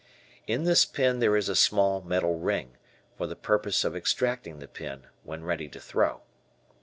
In this pin there is a small metal ring, for the purpose of extracting the pin when ready to throw.